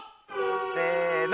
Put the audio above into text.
せの！